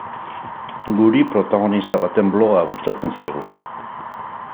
Guri, protagonista baten bloga gustatzen zaigu.